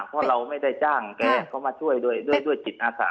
เพราะเราไม่ได้จ้างแกก็มาช่วยด้วยด้วยจิตอาสา